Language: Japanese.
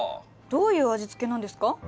どういう味付けなんですか？